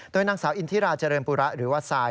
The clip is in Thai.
โดยนางสาวอินทิราเจริญปุระหรือว่าทราย